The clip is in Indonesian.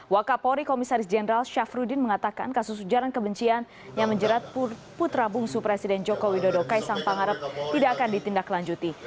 wakapori komisaris jenderal syafruddin mengatakan kasus ujaran kebencian yang menjerat putra bungsu presiden joko widodo kaisang pangarep tidak akan ditindaklanjuti